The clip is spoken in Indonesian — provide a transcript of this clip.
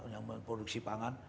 yang memproduksi pangan